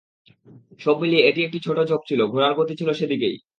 সব মিলিয়ে এটি একটি ছোট ঝোপ ছিল ঘোড়ার গতি ছিল সেদিকেই।